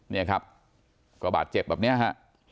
เนี่ยครับก็บาดเจ็บแบบนี้ฮะ